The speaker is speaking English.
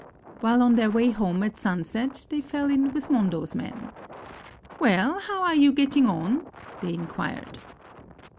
While on their way home at sunset, they fell in with Mondo's men. "Well, how are you getting on?" they inquired.